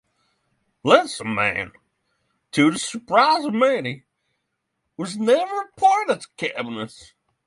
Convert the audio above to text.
Lissaman, to the surprise of many, was never appointed to cabinet.